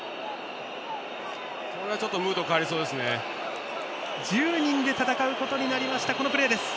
これは、ちょっとムード変わりそうですね。